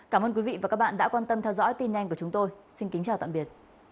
cảm ơn quý vị và các bạn đã quan tâm theo dõi tin nhé